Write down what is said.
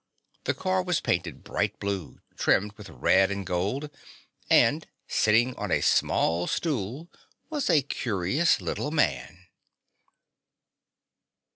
The car was painted bright blue, trimmed with red and gold, and sitting on a small stool was a curious little man.